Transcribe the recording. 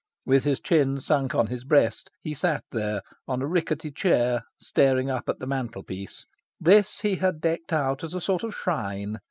With his chin sunk on his breast, he sat there, on a rickety chair, staring up at the mantel piece. This he had decked out as a sort of shrine.